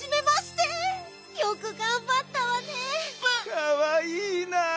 かわいいなあ。